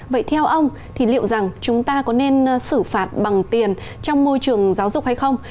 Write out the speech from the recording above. vậy theo ông thì liệu rằng chúng ta có nên xử phạt bằng tiền trong môi trường giáo dục hay không